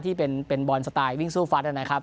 ที่เป็นบอลสไตล์วิ่งสู้ฟัดนะครับ